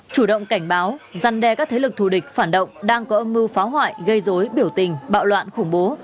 chủ động cảnh báo giăn đe các thế lực thù địch phản động đang có âm mưu phá hoại gây dối biểu tình bạo loạn khủng bố